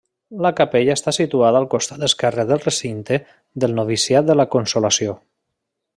La capella està situada al costat esquerre del recinte del noviciat de la Consolació.